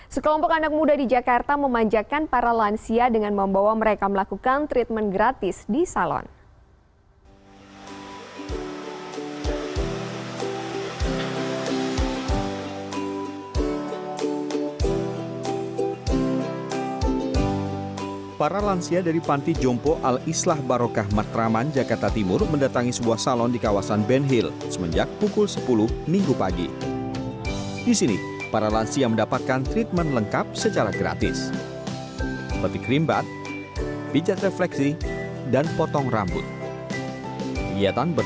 sekelompok anak muda di jakarta memanjakan para lansia dengan membawa mereka melakukan treatment gratis di salon